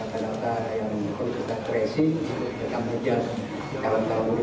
karena ada yang berkontrak kresi kita bekerja di tahun tahun baru